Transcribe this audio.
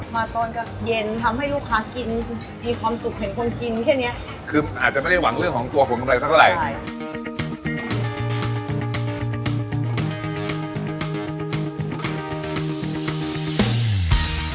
มาตอนเย็นทำให้ลูกค้ากินมีความสุขเห็นคนกินแค่เนี้ย